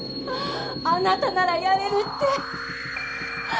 あなたならやれるって